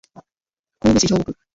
神戸市兵庫区